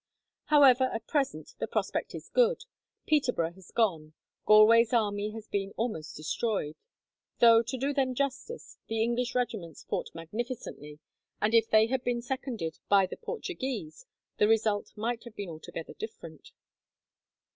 "However, at present the prospect is good. Peterborough has gone. Galway's army has been almost destroyed; though, to do them justice, the English regiments fought magnificently, and if they had been seconded by the Portuguese the result might have been altogether different."